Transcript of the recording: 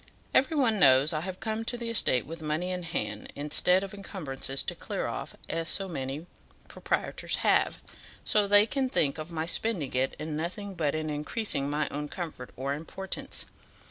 Every one knows I have come to the estate with money in hand instead of encumbrances to clear off, as so many proprietors have, so they can think of my spending it in nothing but in increasing my own comfort or importance.